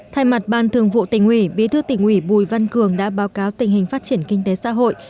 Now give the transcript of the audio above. thay mặt ban thường vụ tỉnh ủy bí thư tỉnh ủy bùi văn cường đã báo cáo tình hình phát triển kinh tế xã hội